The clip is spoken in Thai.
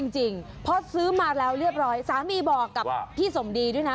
จริงพอซื้อมาแล้วเรียบร้อยสามีบอกกับพี่สมดีด้วยนะ